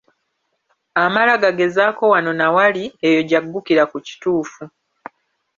Amala gagezaako wano na wali, eyo gy'aggukira ku kituufu.